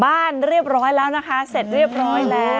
บ้านเรียบร้อยแล้วนะคะเสร็จเรียบร้อยแล้ว